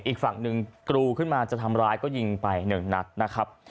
อีกฝั่งหนึ่งกรูขึ้นมาจะทำร้ายก็ยิงไปหนึ่งนัดนะครับ